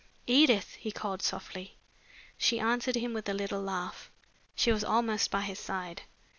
"Edith!" he called softly. She answered him with a little laugh. She was almost by his side.